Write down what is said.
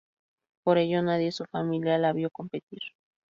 Por ello, nadie de su familia la vio competir.